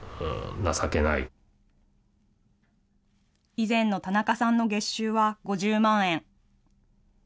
以前の田中さんの月収は５０万円。